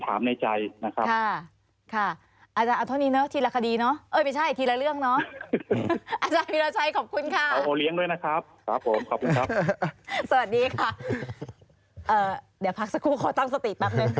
เดี้วพักสักครู่เขาตั้งสติก่างนึง